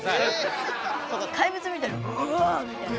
怪物みたいに「ウォ！」みたいな。